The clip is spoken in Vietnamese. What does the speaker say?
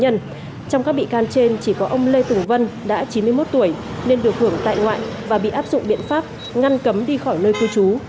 trong các bị can trên chỉ có ông lê tùng vân đã chín mươi một tuổi nên được hưởng tại ngoại và bị áp dụng biện pháp ngăn cấm đi khỏi nơi cư trú